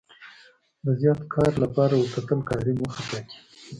د زیات کار لپاره ورته تل کاري موخه ټاکي.